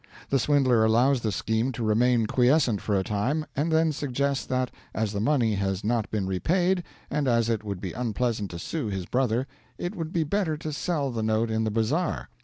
The swindler allows the scheme to remain quiescent for a time, and then suggests that, as the money has not been repaid and as it would be unpleasant to sue his brother, it would be better to sell the note in the bazaar.